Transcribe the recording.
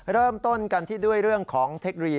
เริ่มต้นกันที่ด้วยเรื่องของเทคโนโลยี